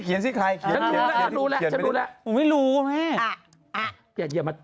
เขียนสิครายเขียน